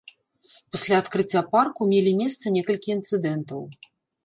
Пасля адкрыцця парку мелі месца некалькі інцыдэнтаў.